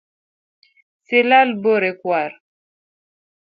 Silwal bore kwar